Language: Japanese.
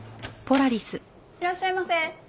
いらっしゃいませ。